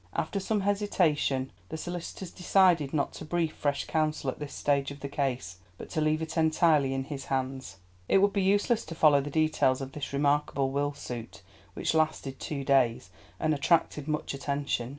After some hesitation the solicitors decided not to brief fresh counsel at this stage of the case, but to leave it entirely in his hands. It would be useless to follow the details of this remarkable will suit, which lasted two days, and attracted much attention.